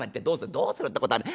『どうするってことはねえ』。